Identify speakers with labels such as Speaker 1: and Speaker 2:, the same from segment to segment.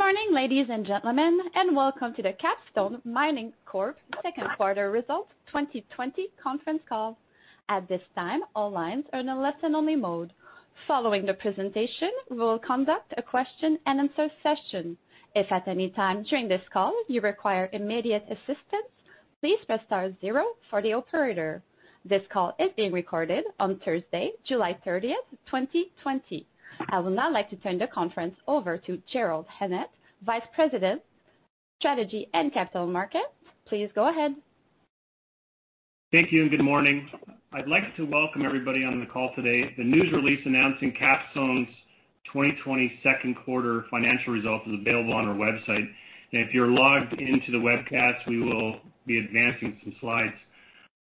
Speaker 1: Good morning, ladies and gentlemen, and welcome to the Capstone Mining Corp. second quarter results 2020 conference call. At this time, all lines are in a listen-only mode. Following the presentation, we will conduct a question and answer session. If at any time during this call you require immediate assistance, please press star zero for the operator. This call is being recorded on Thursday, July 30, 2020. I would now like to turn the conference over to Jerrold Annett, Vice President, Strategy and Capital Markets. Please go ahead.
Speaker 2: Thank you, and good morning. I'd like to welcome everybody on the call today. The news release announcing Capstone's 2020 second quarter financial results is available on our website. If you're logged into the webcast, we will be advancing some slides.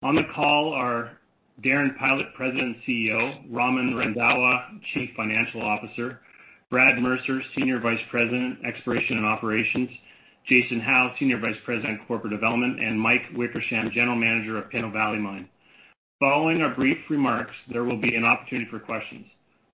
Speaker 2: On the call are Darren Pylot, President and CEO, Raman Randhawa, Chief Financial Officer, Brad Mercer, Senior Vice President, Exploration and Operations, Jason Howe, Senior Vice President, Corporate Development, and Mike Wickersham, General Manager of Pinto Valley Mine. Following our brief remarks, there will be an opportunity for questions.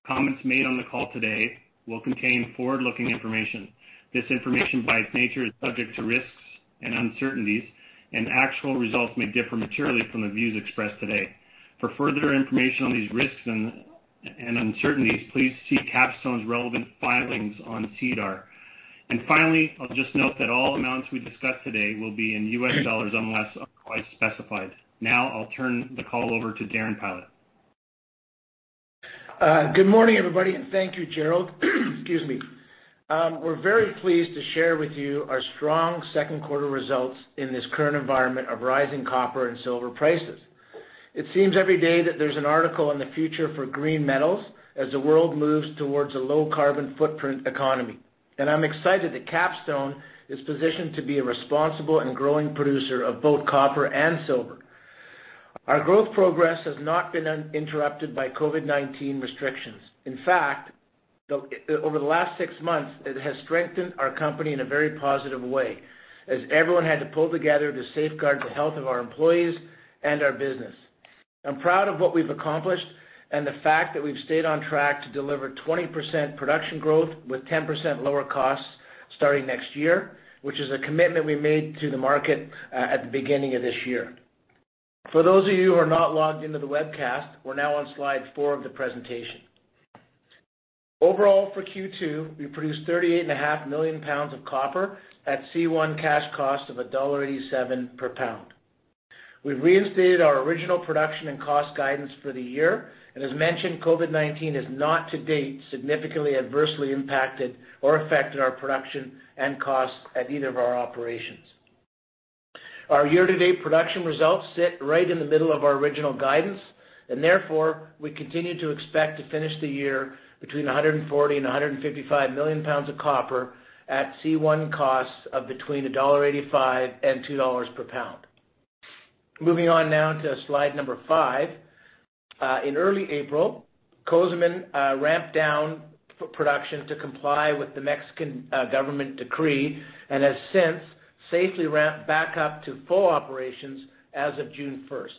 Speaker 2: Comments made on the call today will contain forward-looking information. This information, by its nature, is subject to risks and uncertainties, and actual results may differ materially from the views expressed today. For further information on these risks and uncertainties, please see Capstone's relevant filings on SEDAR. Finally, I'll just note that all amounts we discuss today will be in U.S. dollars unless otherwise specified. I'll turn the call over to Darren Pylot.
Speaker 3: Good morning, everybody, and thank you, Jerrold. Excuse me. We're very pleased to share with you our strong second quarter results in this current environment of rising copper and silver prices. It seems every day that there's an article on the future for green metals as the world moves towards a low carbon footprint economy. I'm excited that Capstone is positioned to be a responsible and growing producer of both copper and silver. Our growth progress has not been interrupted by COVID-19 restrictions. In fact, over the last six months, it has strengthened our company in a very positive way, as everyone had to pull together to safeguard the health of our employees and our business. I'm proud of what we've accomplished and the fact that we've stayed on track to deliver 20% production growth with 10% lower costs starting next year, which is a commitment we made to the market at the beginning of this year. For those of you who are not logged into the webcast, we're now on slide four of the presentation. Overall, for Q2, we produced 38.5 million pounds of copper at C1 cash cost of $1.87 per pound. We've reinstated our original production and cost guidance for the year. As mentioned, COVID-19 has not to date significantly adversely impacted or affected our production and costs at either of our operations. Our year-to-date production results sit right in the middle of our original guidance, and therefore, we continue to expect to finish the year between 140 and 155 million pounds of copper at C1 costs of between $1.85 and $2 per pound. Moving on now to slide number 5. In early April, Cozamin ramped down production to comply with the Mexican government decree and has since safely ramped back up to full operations as of June 1st.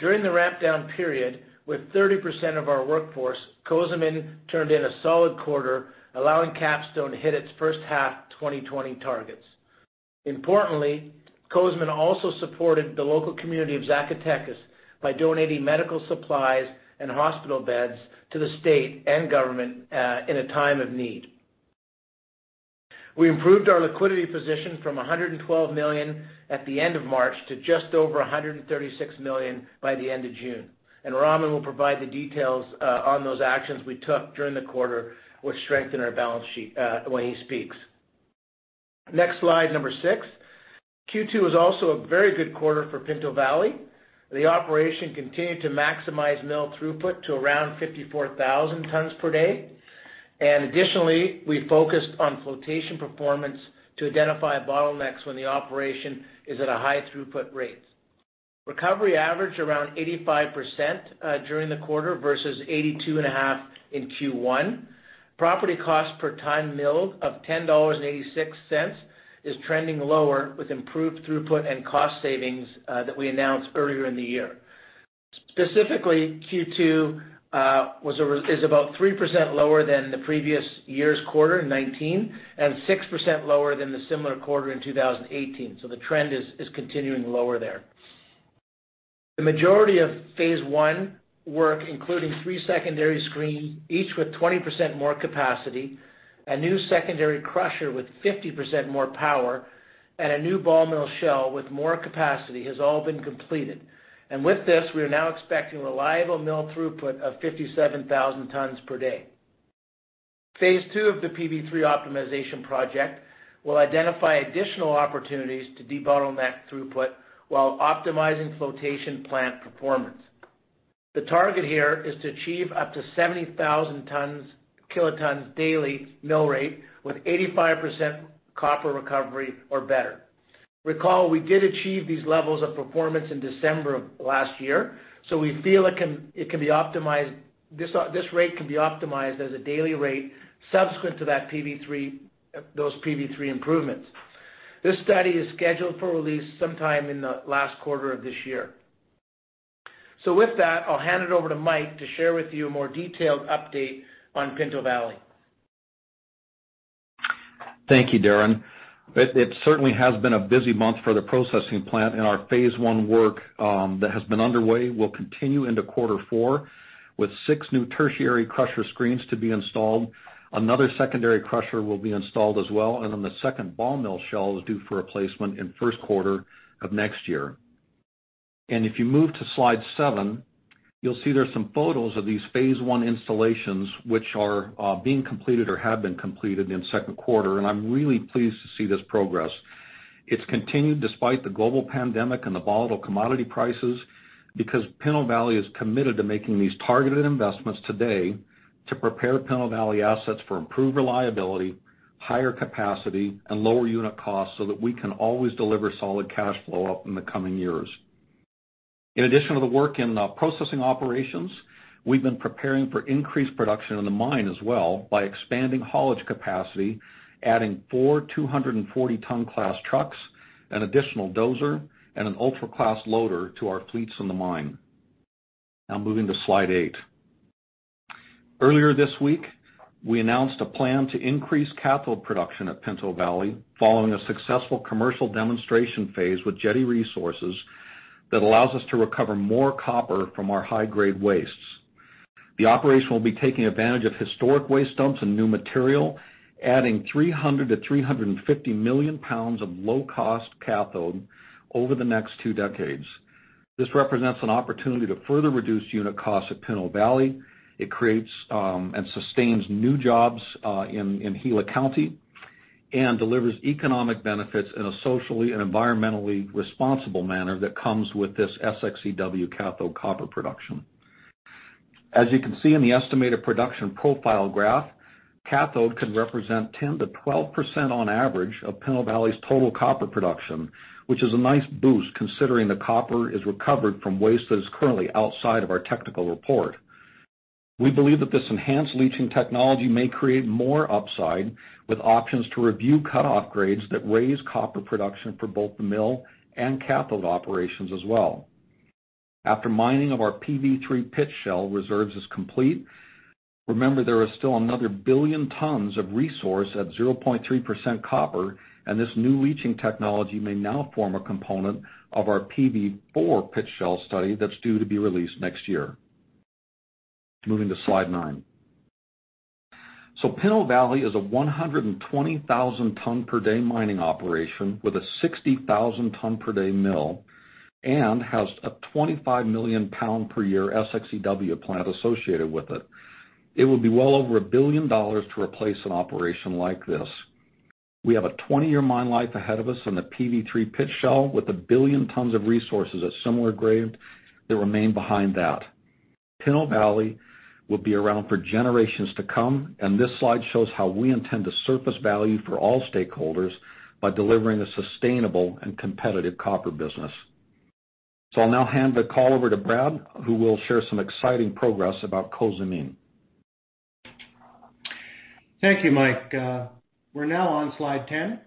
Speaker 3: During the ramp-down period, with 30% of our workforce, Cozamin turned in a solid quarter, allowing Capstone to hit its first half 2020 targets. Importantly, Cozamin also supported the local community of Zacatecas by donating medical supplies and hospital beds to the state and government in a time of need. We improved our liquidity position from $112 million at the end of March to just over $136 million by the end of June. Raman will provide the details on those actions we took during the quarter, which strengthened our balance sheet, when he speaks. Next slide, number six. Q2 was also a very good quarter for Pinto Valley. The operation continued to maximize mill throughput to around 54,000 tons per day. Additionally, we focused on flotation performance to identify bottlenecks when the operation is at a high throughput rate. Recovery averaged around 85% during the quarter versus 82.5% in Q1. Property cost per ton milled of $10.86 is trending lower with improved throughput and cost savings that we announced earlier in the year. Specifically, Q2 is about 3% lower than the previous year's quarter, 2019, and 6% lower than the similar quarter in 2018. The trend is continuing lower there. The majority of Phase 1 work, including three secondary screens, each with 20% more capacity, a new secondary crusher with 50% more power, and a new ball mill shell with more capacity has all been completed. With this, we are now expecting reliable mill throughput of 57,000 tons per day. Phase 2 of the PV3 optimization project will identify additional opportunities to debottleneck throughput while optimizing flotation plant performance. The target here is to achieve up to 70,000 kt daily mill rate with 85% copper recovery or better. Recall, we did achieve these levels of performance in December of last year, so we feel this rate can be optimized as a daily rate subsequent to those PV3 improvements. This study is scheduled for release sometime in the last quarter of this year. With that, I'll hand it over to Mike to share with you a more detailed update on Pinto Valley.
Speaker 4: Thank you, Darren. It certainly has been a busy month for the processing plant, our Phase 1 work that has been underway will continue into quarter four, with six new tertiary crusher screens to be installed. Another secondary crusher will be installed as well, the second ball mill shell is due for replacement in first quarter of next year. If you move to slide seven, you'll see there's some photos of these Phase 1 installations which are being completed or have been completed in second quarter, I'm really pleased to see this progress. It's continued despite the global pandemic and the volatile commodity prices because Pinto Valley is committed to making these targeted investments today to prepare the Pinto Valley assets for improved reliability, higher capacity, and lower unit costs, so that we can always deliver solid cash flow up in the coming years. In addition to the work in the processing operations, we've been preparing for increased production in the mine as well by expanding haulage capacity, adding four 240-tonne class trucks, an additional dozer, and an ultra-class loader to our fleets in the mine. Moving to slide eight. Earlier this week, we announced a plan to increase cathode production at Pinto Valley following a successful commercial demonstration phase with Jetti Resources that allows us to recover more copper from our high-grade wastes. The operation will be taking advantage of historic waste dumps and new material, adding 300 million to 350 million pounds of low-cost cathode over the next two decades. This represents an opportunity to further reduce unit costs at Pinto Valley. It creates and sustains new jobs in Gila County and delivers economic benefits in a socially and environmentally responsible manner that comes with this SX-EW cathode copper production. As you can see in the estimated production profile graph, cathode could represent 10%-12% on average of Pinto Valley's total copper production, which is a nice boost considering the copper is recovered from waste that is currently outside of our technical report. We believe that this enhanced leaching technology may create more upside, with options to review cutoff grades that raise copper production for both the mill and cathode operations as well. After mining of our PV3 pit shell reserves is complete, remember, there is still another billion tonnes of resource at 0.3% copper, and this new leaching technology may now form a component of our PV4 pit shell study that's due to be released next year. Moving to slide nine. Pinto Valley is a 120,000 ton per day mining operation with a 60,000 ton per day mill and has a 25 million pound per year SX-EW plant associated with it. It would be well over $1 billion to replace an operation like this. We have a 20-year mine life ahead of us on the PV3 pit shell, with 1 billion tons of resources at similar grade that remain behind that. Pinto Valley will be around for generations to come, and this slide shows how we intend to surface value for all stakeholders by delivering a sustainable and competitive copper business. I'll now hand the call over to Brad, who will share some exciting progress about Cozamin.
Speaker 5: Thank you, Mike. We're now on slide 10.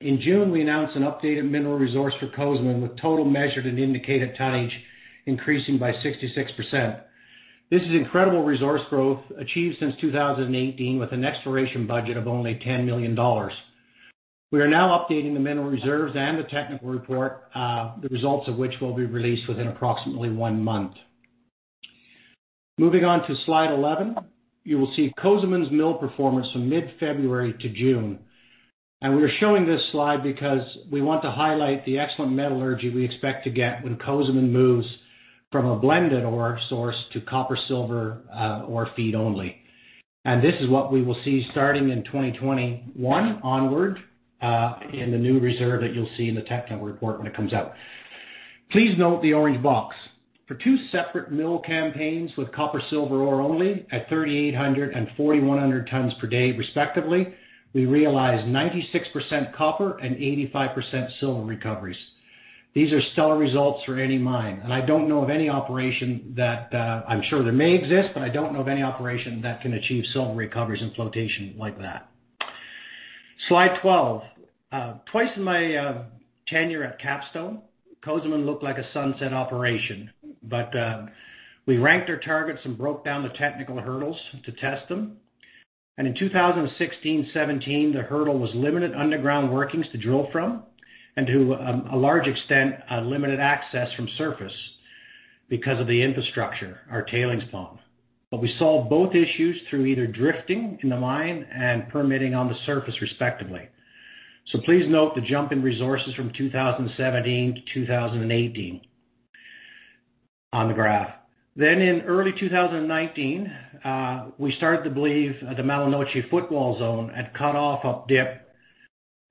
Speaker 5: In June, we announced an updated mineral resource for Cozamin, with total measured and indicated tonnage increasing by 66%. This is incredible resource growth achieved since 2018 with an exploration budget of only $10 million. We are now updating the mineral reserves and the technical report, the results of which will be released within approximately one month. Moving on to slide 11. You will see Cozamin's mill performance from mid-February to June. We are showing this slide because we want to highlight the excellent metallurgy we expect to get when Cozamin moves from a blended ore source to copper/silver ore feed only. This is what we will see starting in 2021 onward, in the new reserve that you'll see in the technical report when it comes out. Please note the orange box. For two separate mill campaigns with copper/silver ore only at 3,800 and 4,100 tonnes per day respectively, we realized 96% copper and 85% silver recoveries. These are stellar results for any mine, and I don't know of any operation that, I'm sure they may exist, but I don't know of any operation that can achieve silver recoveries in flotation like that. Slide 12. Twice in my tenure at Capstone, Cozamin looked like a sunset operation. We ranked our targets and broke down the technical hurdles to test them. In 2016-2017, the hurdle was limited underground workings to drill from, and to a large extent, limited access from surface because of the infrastructure, our tailings pond. We solved both issues through either drifting in the mine and permitting on the surface respectively. Please note the jump in resources from 2017 to 2018 on the graph. In early 2019, we started to believe the Mala Noche Foot Wall Zone had cut off up dip.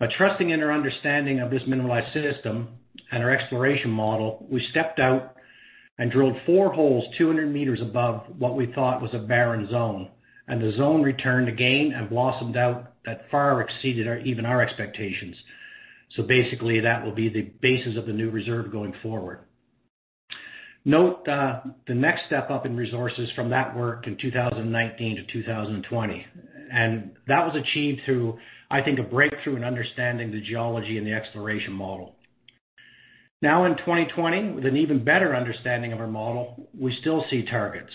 Speaker 5: By trusting in our understanding of this mineralized system and our exploration model, we stepped out and drilled four holes 200 m above what we thought was a barren zone, and the zone returned again and blossomed out that far exceeded even our expectations. Basically, that will be the basis of the new reserve going forward. Note the next step up in resources from that work in 2019 to 2020. That was achieved through, I think, a breakthrough in understanding the geology and the exploration model. Now in 2020, with an even better understanding of our model, we still see targets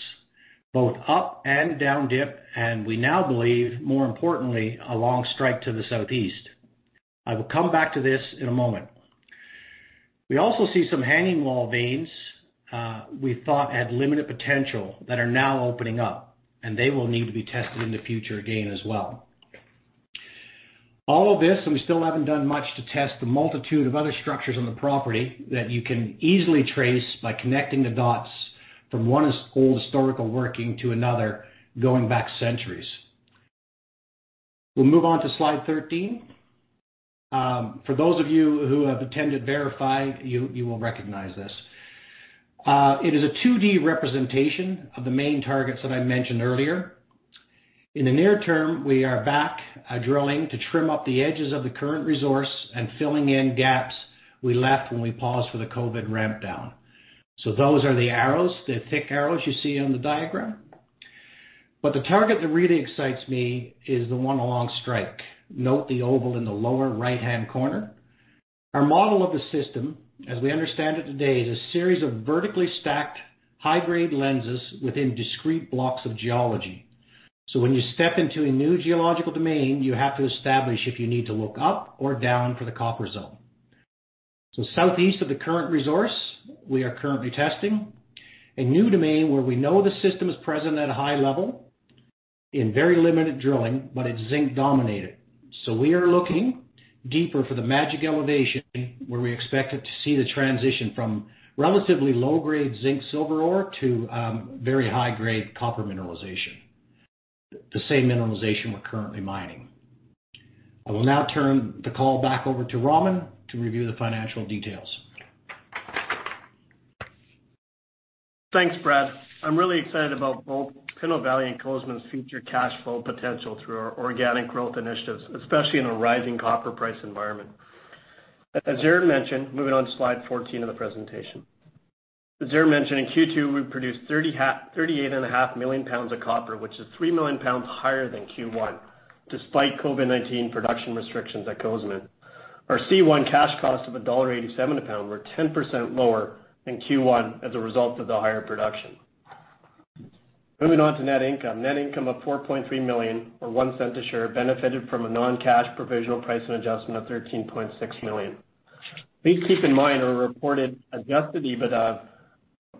Speaker 5: both up and down dip, and we now believe, more importantly, along strike to the southeast. I will come back to this in a moment. We also see some hanging wall veins we thought had limited potential that are now opening up. They will need to be tested in the future again as well. All of this, we still haven't done much to test the multitude of other structures on the property that you can easily trace by connecting the dots from one old historical working to another, going back centuries. We'll move on to slide 13. For those of you who have attended VRIFY, you will recognize this. It is a 2D representation of the main targets that I mentioned earlier. In the near term, we are back drilling to trim up the edges of the current resource and filling in gaps we left when we paused for the COVID ramp down. Those are the arrows, the thick arrows you see on the diagram. The target that really excites me is the one along strike. Note the oval in the lower right-hand corner. Our model of the system, as we understand it today, is a series of vertically stacked high-grade lenses within discrete blocks of geology. When you step into a new geological domain, you have to establish if you need to look up or down for the copper zone. Southeast of the current resource, we are currently testing a new domain where we know the system is present at a high level in very limited drilling, but it's zinc dominated. We are looking deeper for the magic elevation where we expect to see the transition from relatively low-grade zinc silver ore to very high-grade copper mineralization. The same mineralization we're currently mining. I will now turn the call back over to Raman to review the financial details.
Speaker 6: Thanks, Brad. I'm really excited about both Pinto Valley and Cozamin's future cash flow potential through our organic growth initiatives, especially in a rising copper price environment. As Darren mentioned, moving on to slide 14 of the presentation. As Darren mentioned, in Q2, we produced 38.5 million pounds of copper, which is three million pounds higher than Q1, despite COVID-19 production restrictions at Cozamin. Our C1 cash cost of $1.87 a pound were 10% lower than Q1 as a result of the higher production. Moving on to net income. Net income of $4.3 million, or $0.01 a share, benefited from a non-cash provisional pricing adjustment of $13.6 million. Please keep in mind our reported adjusted EBITDA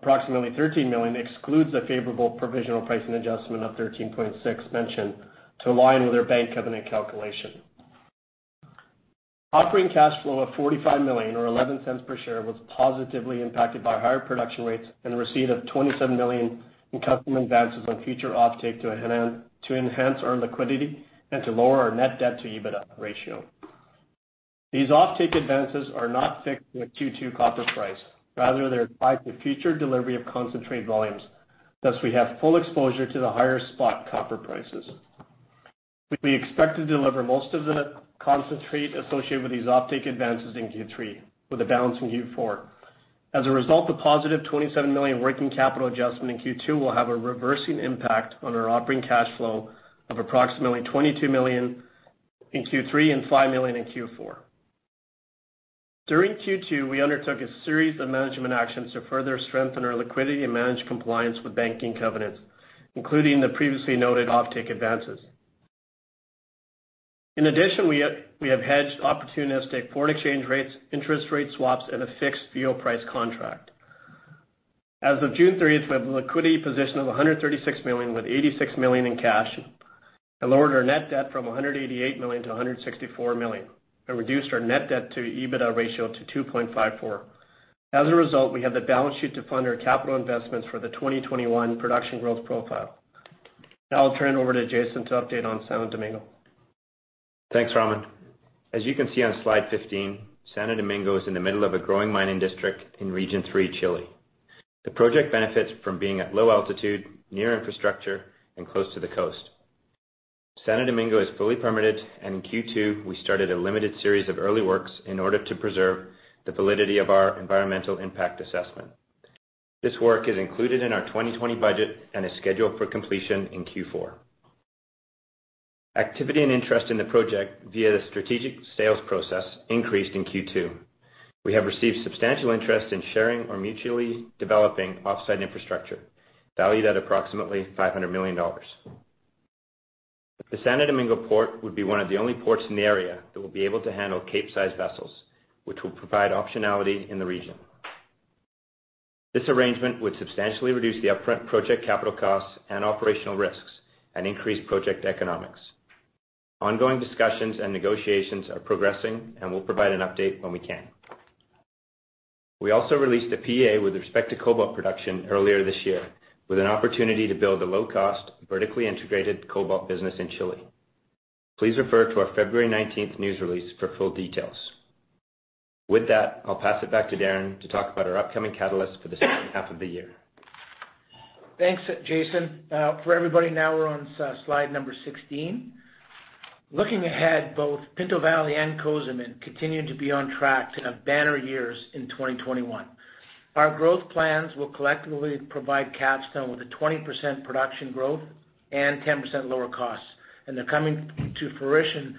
Speaker 6: of approximately $13 million excludes a favorable provisional pricing adjustment of $13.6 million to align with our bank covenant calculation. Operating cash flow of $45 million, or $0.11 per share, was positively impacted by higher production rates and receipt of $27 million in customer advances on future offtake to enhance our liquidity and to lower our net debt to EBITDA ratio. These offtake advances are not fixed to a Q2 copper price. Rather, they're tied to future delivery of concentrate volumes. Thus, we have full exposure to the higher spot copper prices. We expect to deliver most of the concentrate associated with these offtake advances in Q3, with a balance in Q4. As a result, the positive $27 million working capital adjustment in Q2 will have a reversing impact on our operating cash flow of approximately $22 million in Q3 and $5 million in Q4. During Q2, we undertook a series of management actions to further strengthen our liquidity and manage compliance with banking covenants, including the previously noted offtake advances. In addition, we have hedged opportunistic foreign exchange rates, interest rate swaps, and a fixed fuel price contract. As of June 30th, we have a liquidity position of $136 million, with $86 million in cash, and lowered our net debt from $188 million to $164 million, and reduced our net debt to EBITDA ratio to 2.54. As a result, we have the balance sheet to fund our capital investments for the 2021 production growth profile. Now I'll turn it over to Jason to update on Santo Domingo.
Speaker 7: Thanks, Raman. As you can see on slide 15, Santo Domingo is in the middle of a growing mining district in Region III, Chile. The project benefits from being at low altitude, near infrastructure, and close to the coast. Santo Domingo is fully permitted, and in Q2, we started a limited series of early works in order to preserve the validity of our environmental impact assessment. This work is included in our 2020 budget and is scheduled for completion in Q4. Activity and interest in the project via the strategic sales process increased in Q2. We have received substantial interest in sharing or mutually developing off-site infrastructure valued at approximately $500 million. The Santo Domingo port would be one of the only ports in the area that will be able to handle capesize vessels, which will provide optionality in the region. This arrangement would substantially reduce the upfront project capital costs and operational risks and increase project economics. Ongoing discussions and negotiations are progressing, and we'll provide an update when we can. We also released a PEA with respect to cobalt production earlier this year with an opportunity to build a low-cost, vertically integrated cobalt business in Chile. Please refer to our February 19th news release for full details. With that, I'll pass it back to Darren to talk about our upcoming catalysts for the second half of the year.
Speaker 3: Thanks, Jason. For everybody, now we're on slide number 16. Looking ahead, both Pinto Valley and Cozamin continue to be on track to have banner years in 2021. Our growth plans will collectively provide Capstone with a 20% production growth and 10% lower costs. They're coming to fruition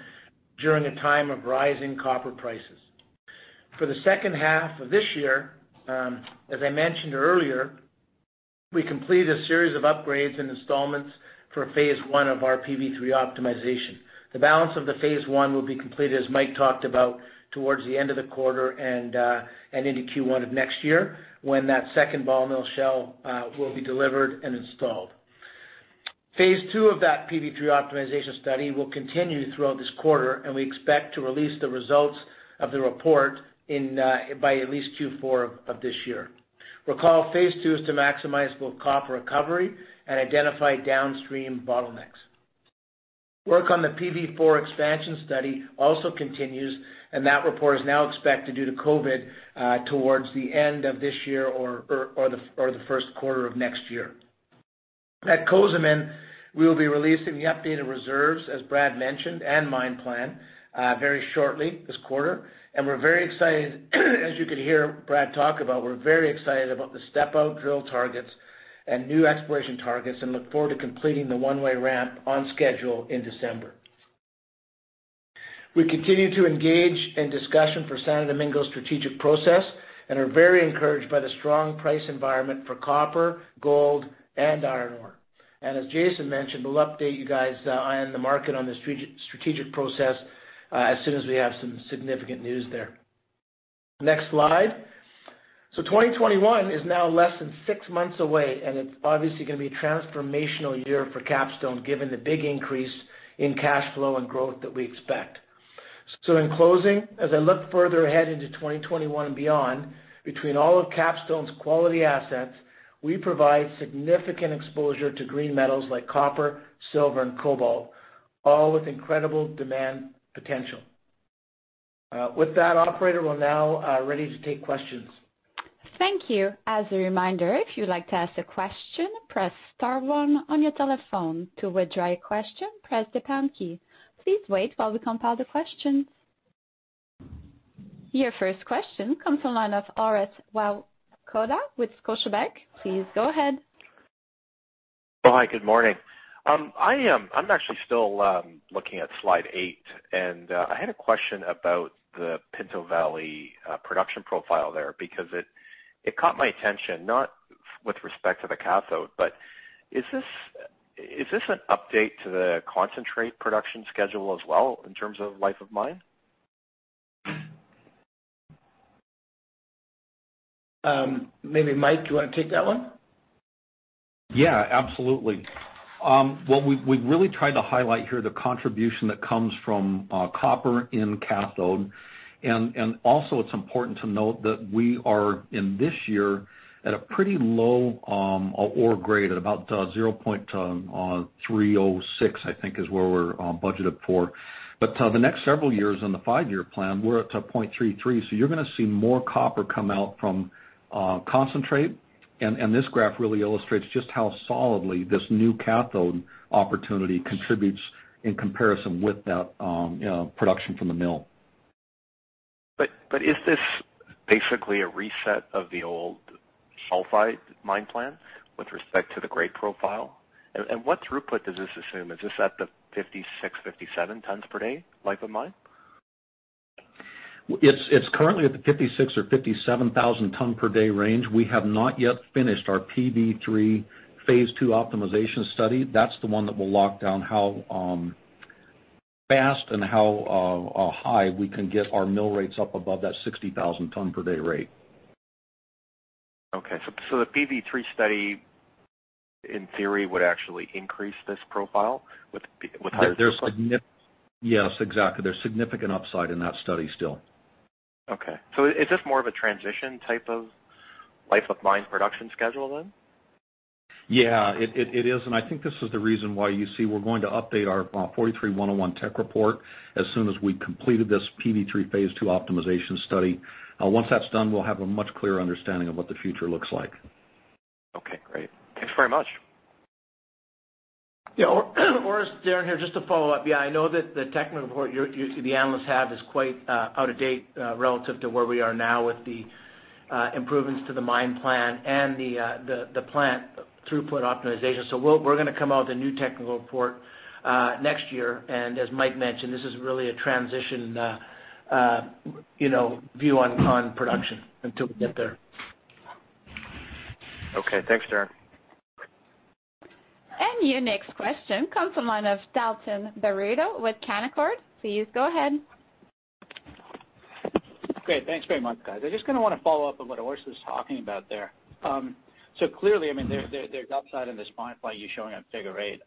Speaker 3: during a time of rising copper prices. For the second half of this year, as I mentioned earlier, we completed a series of upgrades and installments for Phase 1 of our PV3 optimization. The balance of the Phase 1 will be completed, as Mike talked about, towards the end of the quarter and into Q1 of next year, when that second ball mill shell will be delivered and installed. Phase 2 of that PV3 optimization study will continue throughout this quarter, and we expect to release the results of the report by at least Q4 of this year. Recall, Phase 2 is to maximize both copper recovery and identify downstream bottlenecks. Work on the PV4 expansion study also continues. That report is now expected, due to COVID, towards the end of this year or the first quarter of next year. At Cozamin, we will be releasing the updated reserves, as Brad mentioned, and mine plan very shortly, this quarter. As you could hear Brad talk about, we're very excited about the step-out drill targets and new exploration targets, and look forward to completing the one-way ramp on schedule in December. We continue to engage in discussion for Santo Domingo's strategic process and are very encouraged by the strong price environment for copper, gold, and iron ore. As Jason mentioned, we'll update you guys on the market on the strategic process as soon as we have some significant news there. Next slide. 2021 is now less than six months away, and it's obviously going to be a transformational year for Capstone, given the big increase in cash flow and growth that we expect. In closing, as I look further ahead into 2021 and beyond, between all of Capstone's quality assets, we provide significant exposure to green metals like copper, silver, and cobalt, all with incredible demand potential. With that, operator, we're now ready to take questions.
Speaker 1: Thank you. As a reminder, if you'd like to ask a question, press star one on your telephone. To withdraw your question, press the pound key. Please wait while we compile the questions. Your first question comes from the line of Orest Wowkodaw with Scotiabank. Please go ahead.
Speaker 8: Hi, good morning. I'm actually still looking at slide eight, and I had a question about the Pinto Valley production profile there, because it caught my attention, not with respect to the cathode, but is this an update to the concentrate production schedule as well, in terms of life of mine?
Speaker 3: Maybe, Mike, do you want to take that one?
Speaker 4: Yeah, absolutely. What we really tried to highlight here, the contribution that comes from copper in cathode. Also, it's important to note that we are, in this year, at a pretty low ore grade, at about 0.306, I think is where we're budgeted for. The next several years in the five-year plan, we're at a 0.33. You're going to see more copper come out from concentrate. This graph really illustrates just how solidly this new cathode opportunity contributes in comparison with that production from the mill.
Speaker 8: Is this basically a reset of the old sulfide mine plan with respect to the grade profile? What throughput does this assume? Is this at the 56-57 tons per day life of mine?
Speaker 4: It's currently at the 56,000 or 57,000 tons per day range. We have not yet finished our PV3 Phase 2 optimization study. That's the one that will lock down how fast and how high we can get our mill rates up above that 60,000 tons per day rate.
Speaker 8: Okay. The PV3 study, in theory, would actually increase this profile with higher throughput?
Speaker 4: Yes, exactly. There's significant upside in that study still.
Speaker 8: Is this more of a transition type of life of mine production schedule then?
Speaker 4: Yeah, it is. I think this is the reason why you see we're going to update our 43-101 tech report as soon as we've completed this PV3 Phase 2 optimization study. Once that's done, we'll have a much clearer understanding of what the future looks like.
Speaker 8: Okay, great. Thanks very much.
Speaker 3: Yeah. Orest, Darren here, just to follow up. Yeah, I know that the technical report the analysts have is quite out of date relative to where we are now with the improvements to the mine plan and the plant throughput optimization. We're going to come out with a new technical report next year. As Mike mentioned, this is really a transition view on production until we get there.
Speaker 8: Okay, thanks, Darren.
Speaker 1: Your next question comes from the line of Dalton Baretto with Canaccord. Please go ahead.
Speaker 9: Great. Thanks very much, guys. I just want to follow up on what Orest was talking about there. Clearly, there's upside in this mine plan you're showing on figure eight.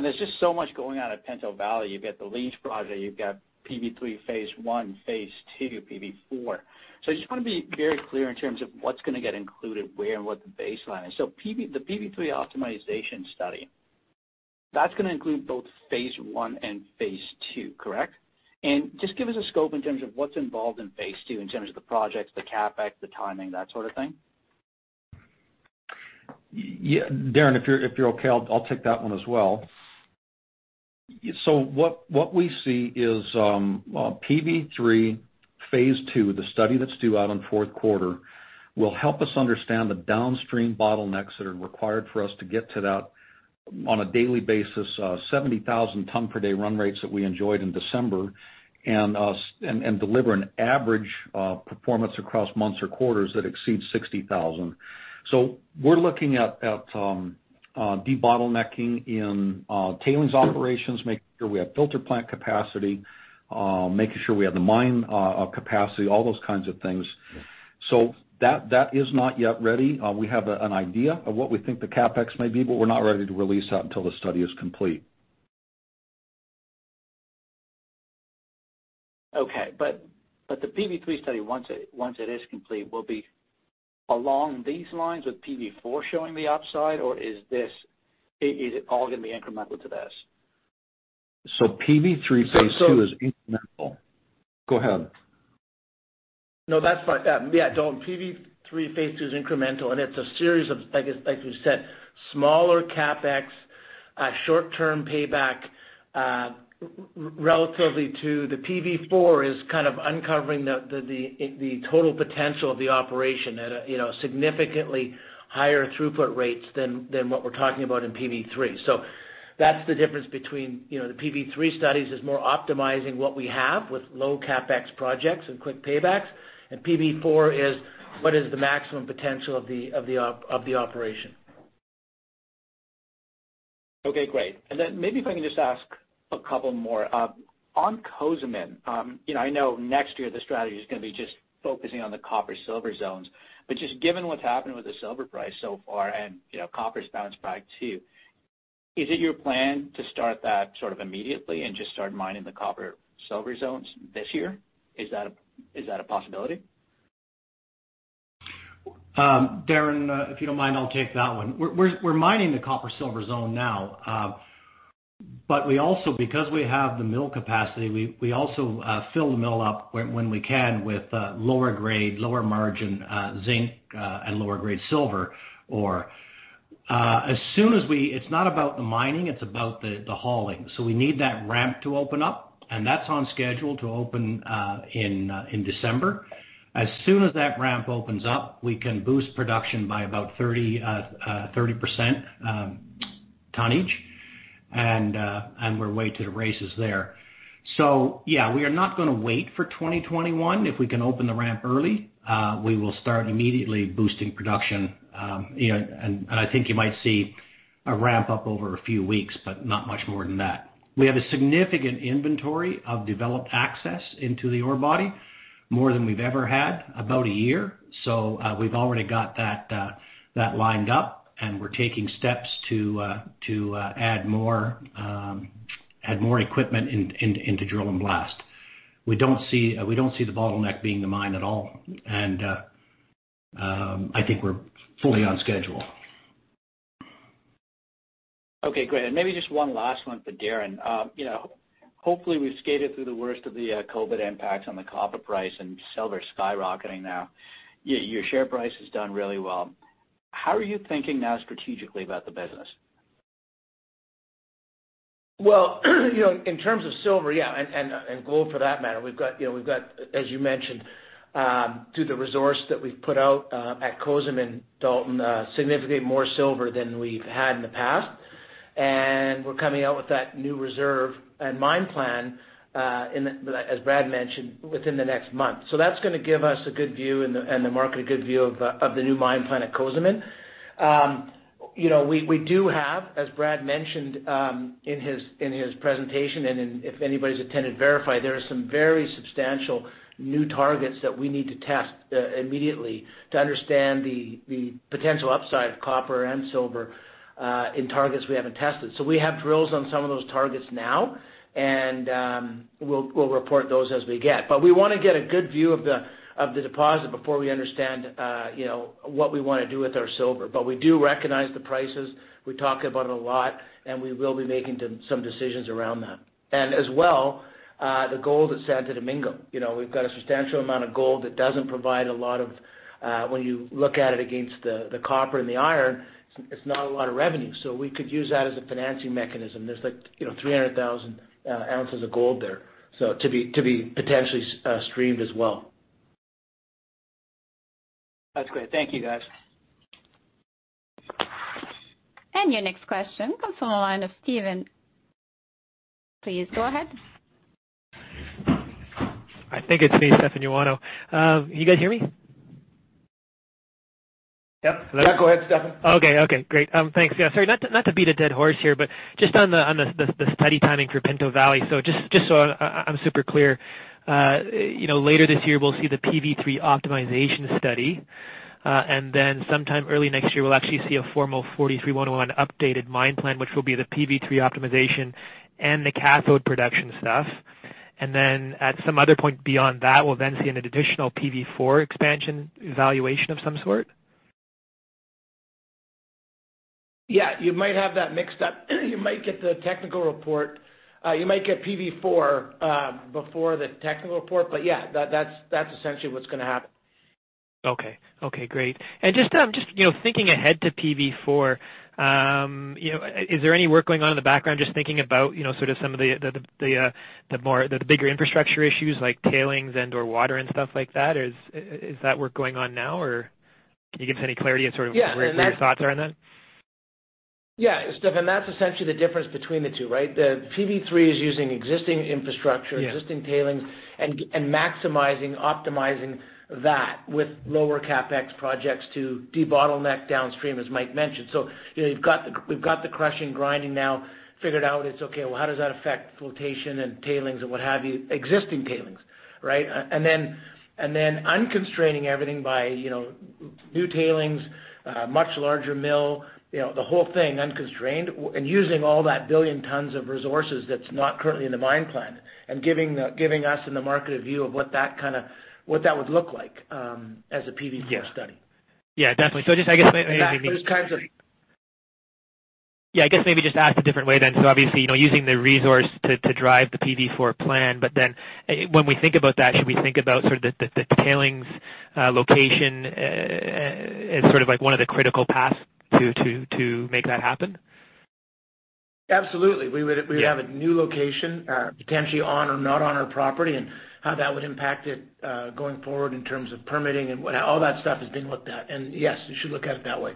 Speaker 9: There's just so much going on at Pinto Valley. You've got the leach project, you've got PV3 Phase 1, Phase 2, PV4. I just want to be very clear in terms of what's going to get included where and what the baseline is. The PV3 optimization study, that's going to include both Phase 1 and Phase 2, correct? Just give us a scope in terms of what's involved in Phase 2 in terms of the projects, the CapEx, the timing, that sort of thing.
Speaker 4: Yeah, Darren, if you're okay, I'll take that one as well. What we see is PV3 Phase 2, the study that's due out in fourth quarter, will help us understand the downstream bottlenecks that are required for us to get to that on a daily basis, 70,000 ton per day run rates that we enjoyed in December and deliver an average performance across months or quarters that exceed 60,000. We're looking at de-bottlenecking in tailings operations, making sure we have filter plant capacity, making sure we have the mine capacity, all those kinds of things. That is not yet ready. We have an idea of what we think the CapEx may be, but we're not ready to release that until the study is complete.
Speaker 9: Okay, the PV3 study, once it is complete, will be along these lines with PV4 showing the upside, or is it all going to be incremental to this?
Speaker 4: PV3 Phase 2 is incremental. Go ahead.
Speaker 3: No, that's fine. Dalton, PV3 Phase 2 is incremental, and it's a series of, like we said, smaller CapEx, short-term payback, relatively to the PV4 is kind of uncovering the total potential of the operation at a significantly higher throughput rates than what we're talking about in PV3. That's the difference between the PV3 studies is more optimizing what we have with low CapEx projects and quick paybacks. PV4 is what is the maximum potential of the operation.
Speaker 9: Okay, great. Then maybe if I can just ask a couple more. On Cozamin, I know next year the strategy is going to be just focusing on the copper/silver zones. Just given what's happened with the silver price so far and copper's bounced back too, is it your plan to start that sort of immediately and just start mining the copper/silver zones this year? Is that a possibility?
Speaker 5: Darren, if you don't mind, I'll take that one. Because we have the mill capacity, we also fill the mill up when we can with lower grade, lower margin zinc, and lower grade silver ore. It's not about the mining, it's about the hauling. We need that ramp to open up, and that's on schedule to open in December. As soon as that ramp opens up, we can boost production by about 30% tonnage. We're away to the races there. Yeah, we are not going to wait for 2021. If we can open the ramp early, we will start immediately boosting production. I think you might see a ramp-up over a few weeks, but not much more than that. We have a significant inventory of developed access into the ore body, more than we've ever had, about a year. We've already got that lined up, and we're taking steps to add more equipment into drill and blast. We don't see the bottleneck being the mine at all. I think we're fully on schedule.
Speaker 9: Okay, great. Maybe just one last one for Darren. Hopefully, we've skated through the worst of the COVID impacts on the copper price and silver skyrocketing now. Your share price has done really well. How are you thinking now strategically about the business?
Speaker 3: In terms of silver, yeah, and gold for that matter, we've got, as you mentioned, through the resource that we've put out at Cozamin, Dalton, significantly more silver than we've had in the past. We're coming out with that new reserve and mine plan, as Brad mentioned, within the next month. That's going to give us a good view, and the market a good view of the new mine plan at Cozamin. We do have, as Brad mentioned in his presentation and if anybody's attended VRIFY, there are some very substantial new targets that we need to test immediately to understand the potential upside of copper and silver in targets we haven't tested. We have drills on some of those targets now, and we'll report those as we get. We want to get a good view of the deposit before we understand what we want to do with our silver. We do recognize the prices, we talk about it a lot, and we will be making some decisions around that. As well, the gold that's Santo Domingo. We've got a substantial amount of gold that doesn't provide a lot of, when you look at it against the copper and the iron, it's not a lot of revenue. We could use that as a financing mechanism. There's like 300,000 ounces of gold there, so to be potentially streamed as well.
Speaker 9: That's great. Thank you, guys.
Speaker 1: Your next question comes from the line of Stefan. Please go ahead.
Speaker 10: I think it's me, Stefan Ioannou. Can you guys hear me?
Speaker 4: Yep.
Speaker 3: Yeah, go ahead, Stefan.
Speaker 10: Okay. Great. Thanks. Yeah, sorry, not to beat a dead horse here, but just on the study timing for Pinto Valley. Just so I'm super clear, later this year, we'll see the PV3 optimization study, and then sometime early next year, we'll actually see a formal 43-101 updated mine plan, which will be the PV3 optimization and the cathode production stuff. Then at some other point beyond that, we'll then see an additional PV4 expansion evaluation of some sort?
Speaker 3: Yeah, you might have that mixed up. You might get the technical report. You might get PV4 before the technical report, but yeah, that's essentially what's going to happen.
Speaker 10: Okay. Okay, great. Just thinking ahead to PV4, is there any work going on in the background, just thinking about sort of some of the bigger infrastructure issues, like tailings and/or water and stuff like that? Is that work going on now, or can you give any clarity and sort of-
Speaker 3: Yeah.
Speaker 10: Where your thoughts are on that?
Speaker 3: Yeah, Stefan, that's essentially the difference between the two, right? The PV3 is using existing infrastructure-
Speaker 10: Yeah.
Speaker 3: Existing tailings, maximizing, optimizing that with lower CapEx projects to debottleneck downstream, as Mike mentioned. We've got the crushing, grinding now figured out. It's okay, well, how does that affect flotation and tailings and what have you, existing tailings, right? Unconstraining everything by new tailings, much larger mill, the whole thing unconstrained, using all that billion tons of resources that's not currently in the mine plan, and giving us and the market a view of what that would look like as a PV4 study.
Speaker 10: Yeah. Yeah, definitely.
Speaker 3: Those kinds of-
Speaker 10: I guess maybe just asked a different way then. Obviously, using the resource to drive the PV4 plan. When we think about that, should we think about sort of the tailings location as sort of one of the critical paths to make that happen?
Speaker 3: Absolutely. We would-
Speaker 10: Yeah.
Speaker 3: Have a new location, potentially on or not on our property, and how that would impact it, going forward in terms of permitting and what. All that stuff is being looked at. Yes, you should look at it that way.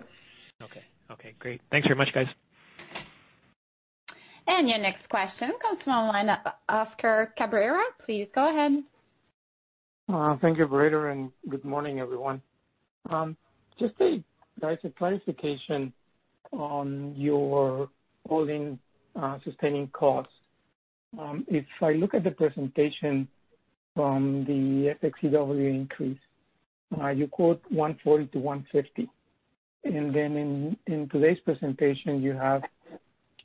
Speaker 10: Okay. Okay, great. Thanks very much, guys.
Speaker 1: Your next question comes from the line of Oscar Cabrera. Please go ahead.
Speaker 11: Thank you, operator, and good morning, everyone. Just a clarification on your all-in sustaining costs. If I look at the presentation from the SX-EW increase, you quote $1.40-$1.50. In today's presentation, you have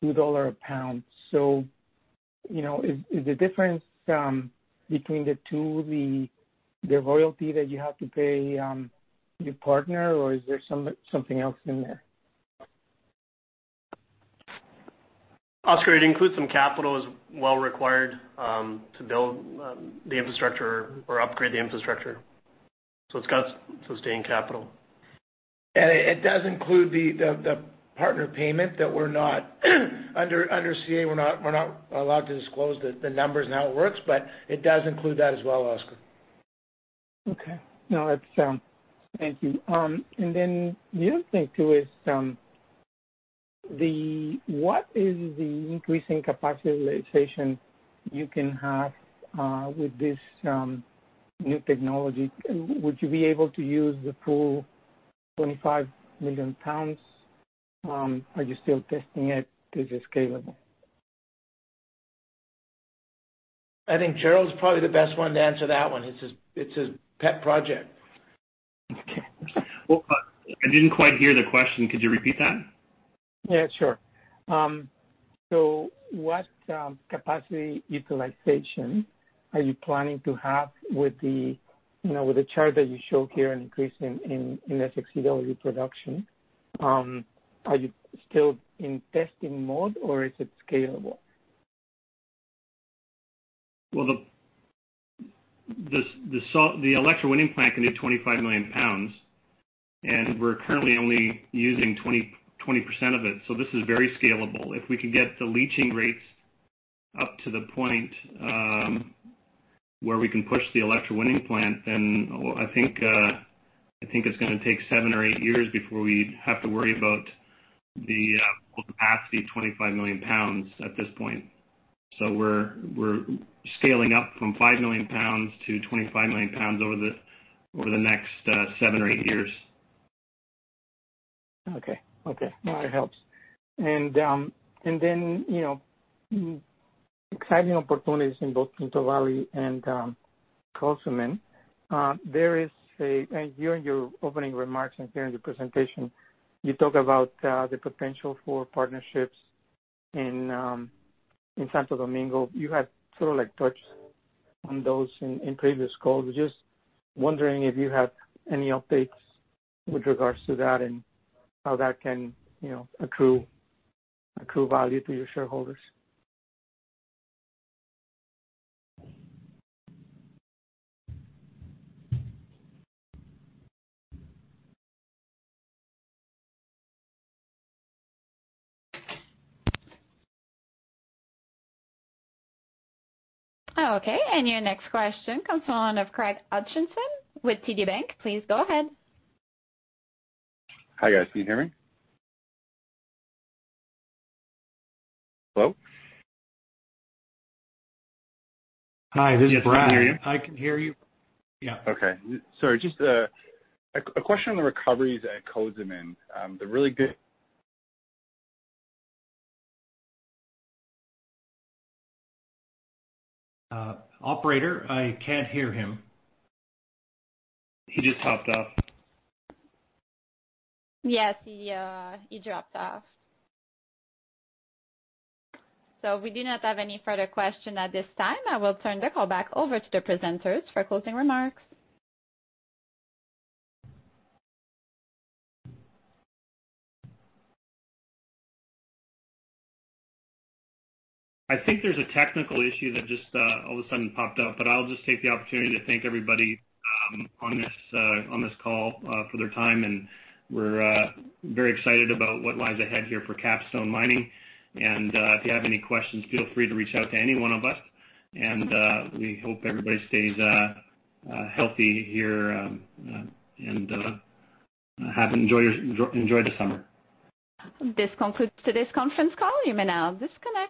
Speaker 11: $2 a pound. Is the difference between the two the royalty that you have to pay your partner, or is there something else in there?
Speaker 6: Oscar, it includes some capital as well required to build the infrastructure or upgrade the infrastructure. It's got sustained capital.
Speaker 3: It does include the partner payment that we're not, under CA, we're not allowed to disclose the numbers and how it works, but it does include that as well, Oscar.
Speaker 11: Okay. No, that's. Thank you. The other thing, too is, what is the increasing capacity utilization you can have with this new technology? Would you be able to use the full 25 million pounds? Are you still testing it? Is it scalable?
Speaker 3: I think Jerrold's probably the best one to answer that one. It's his pet project.
Speaker 11: Okay.
Speaker 2: Well, I didn't quite hear the question. Could you repeat that?
Speaker 11: Yeah, sure. What capacity utilization are you planning to have with the chart that you show here increase in SX-EW production? Are you still in testing mode, or is it scalable?
Speaker 2: Well, the electrowinning plant can do 25 million pounds, and we're currently only using 20% of it. This is very scalable. If we can get the leaching rates up to the point where we can push the electrowinning plant, I think it's gonna take seven or eight years before we have to worry about the capacity of 25 million pounds at this point. We're scaling up from 5 million pounds to 25 million pounds over the next seven or eight years.
Speaker 11: Okay. Okay. No, it helps. Exciting opportunities in both Pinto Valley and Cozamin. During your opening remarks and during your presentation, you talk about the potential for partnerships in Santo Domingo. You had sort of touched on those in previous calls. Was just wondering if you have any updates with regards to that and how that can accrue value to your shareholders.
Speaker 1: Okay, your next question comes from the line of Craig Hutchison with TD Bank. Please go ahead.
Speaker 12: Hi, guys. Can you hear me? Hello?
Speaker 5: Hi, this is Brad.
Speaker 3: Yes, can hear you.
Speaker 5: I can hear you. Yeah.
Speaker 12: Okay. Sorry, just a question on the recoveries at Cozamin.
Speaker 3: Operator, I can't hear him.
Speaker 2: He just hopped off.
Speaker 1: Yes, he dropped off. We do not have any further question at this time. I will turn the call back over to the presenters for closing remarks.
Speaker 2: I think there's a technical issue that just all of a sudden popped up, but I'll just take the opportunity to thank everybody on this call for their time, and we're very excited about what lies ahead here for Capstone Mining. If you have any questions, feel free to reach out to any one of us. We hope everybody stays healthy here and enjoy the summer.
Speaker 1: This concludes today's conference call. You may now disconnect.